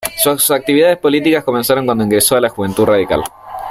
Sus actividades políticas comenzaron cuando ingresó a la Juventud Radical.